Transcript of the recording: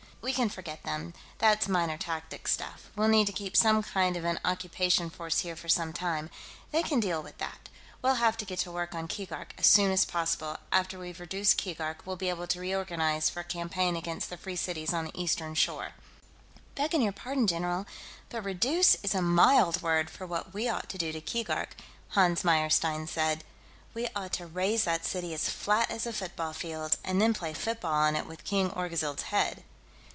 "We can forget them; that's minor tactics stuff. We'll need to keep some kind of an occupation force here for some time; they can deal with that. We'll have to get to work on Keegark, as soon as possible; after we've reduced Keegark, we'll be able to reorganize for a campaign against the Free Cities on the Eastern Shore." "Begging your pardon, general, but reduce is a mild word for what we ought to do to Keegark," Hans Meyerstein said. "We ought to raze that city as flat as a football field, and then play football on it with King Orgzild's head."